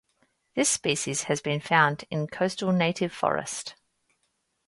This species has been found in coastal native forest.